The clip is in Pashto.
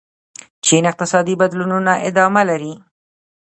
چین اقتصادي بدلونونه ادامه لري.